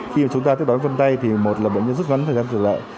khi chúng ta tiếp tục đón vân tay thì một là bệnh nhân rất ngắn thời gian trở lại